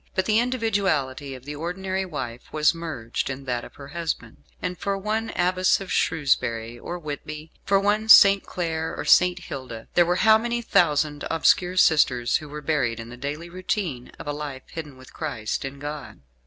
But the individuality of the ordinary wife was merged in that of her husband, and for one Abbess of Shrewsbury or Whitby, for one St. Clare or St. Hilda, there were how many thousand obscure sisters, who were buried in the daily routine of a life hidden with Christ in God!